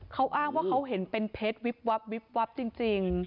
เขาอ้างว่าเขาเห็นเป็นเพชรวิบวับวิบวับจริง